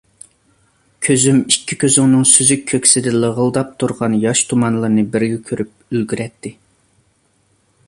كۆزۈم ئىككى كۆزۈڭنىڭ سۈزۈك كۆكسىدە لىغىلداپ تۇرغان ياش تۇمانلىرىنى بىرگە كۆرۈپ ئۈلگۈرەتتى.